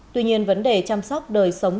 tuy nhiên vấn đề chăm sóc đời sống